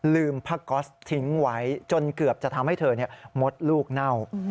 ผ้าก๊อตทิ้งไว้จนเกือบจะทำให้เธอมดลูกเน่า